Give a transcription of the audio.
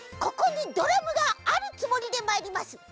ここにドラムがあるつもりでまいります。